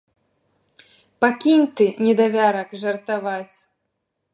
Пакінь ты, недавярак, жартаваць!